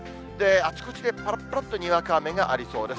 あちこちでぱらっぱらっとにわか雨がありそうです。